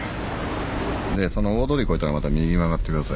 でその大通り越えたらまた右曲がってください。